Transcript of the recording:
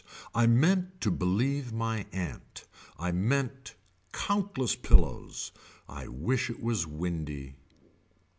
I meant to believe my aunt. I mean countless pillows. I wish it was windy.